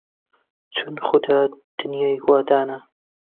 چون خودا دنیای وا دانا